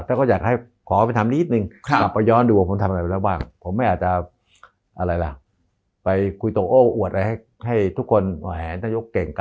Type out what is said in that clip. แต่ก็อยากให้ขอเขาไปทำนิดนึงประยรดิ์ดูว่าผมทำอะไรแล้วบ้าง